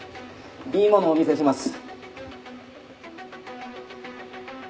いいものお見せします。